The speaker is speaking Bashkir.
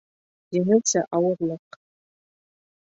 Еңелсә ауырлыҡ